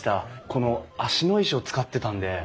この芦野石を使ってたんで。